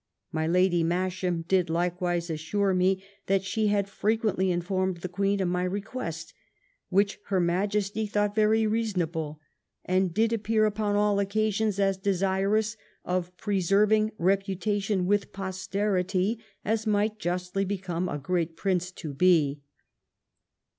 My Lady Masham did likewise assure me, that she had frequently informed the Queen of my re quest, which her Majesty thought very reasonable, and did appear upon all occasions as desirous of preserving reputation with posterity, as might justly become a great Prince to be."